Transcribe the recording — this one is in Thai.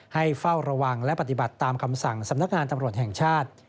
เฝ้าระวังและปฏิบัติตามคำสั่งสำนักงานตำรวจแห่งชาติ